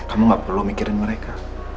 kamu gak perlu mikirin mereka